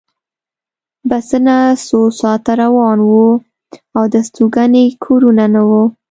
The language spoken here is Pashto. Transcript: بسونه څو ساعته روان وو او د استوګنې کورونه نه وو